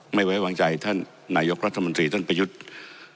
ไม่ไว้วางใจท่านนายกรัฐมนตรีท่านประยุทธ์